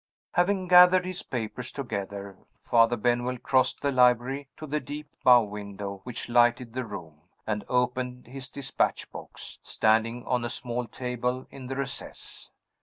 Having gathered his papers together, Father Benwell crossed the library to the deep bow window which lighted the room, and opened his dispatch box, standing on a small table in the recess.